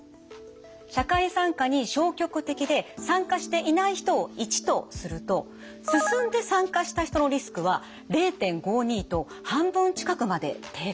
社会参加に消極的で参加していない人を１とするとすすんで参加した人のリスクは０．５２と半分近くまで低下します。